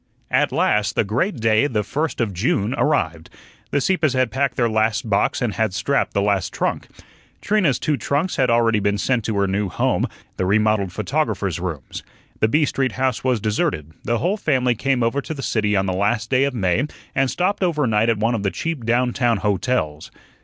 At last the great day, the first of June, arrived. The Sieppes had packed their last box and had strapped the last trunk. Trina's two trunks had already been sent to her new home the remodelled photographer's rooms. The B Street house was deserted; the whole family came over to the city on the last day of May and stopped over night at one of the cheap downtown hotels.